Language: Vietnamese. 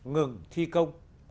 ngừng thi công